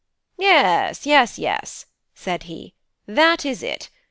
"Yes, yes, yes," said he; "that is it.